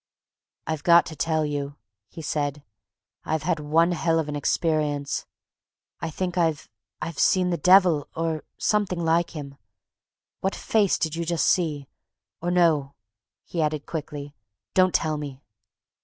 "I've got to tell you," he said. "I've had one hell of an experience. I think I've—I've seen the devil or—something like him. What face did you just see?—or no," he added quickly, "don't tell me!"